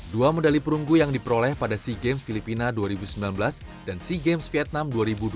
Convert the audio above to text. dua medali perunggu yang diperoleh pada sea games filipina dua ribu sembilan belas dan sea games vietnam dua ribu dua puluh